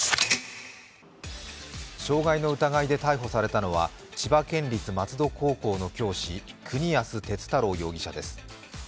傷害の疑いで逮捕されたのは千葉県立松戸高校の教師国安鉄太郎容疑者です。